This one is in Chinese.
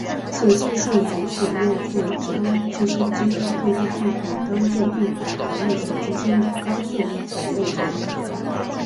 此技术允许用户将计算机的固态硬盘当做硬盘和内存之间的高速缓存内存。